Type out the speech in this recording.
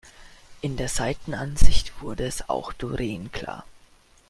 In der Seitenansicht wurde es auch Doreen klar.